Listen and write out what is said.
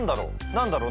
何だろう？